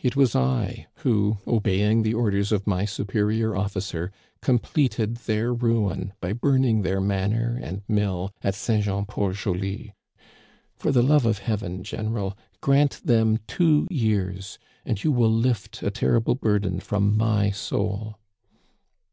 It was I who, obeying the orders of my superior officer, completed their ruin by burning their manor and mill at St. Jean Port JolL For the love of Heaven, general, grant them two years, and you will lift a terrible burden from my soul